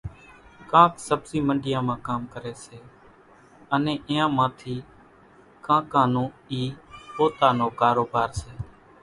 ڪانڪ سٻزِي منڍيان مان ڪام ڪريَ سي، انين اينيان مان ٿِي ڪانڪان نون اِي پوتا نو ڪاروڀار سي۔